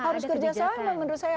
harus kerja sama menurut saya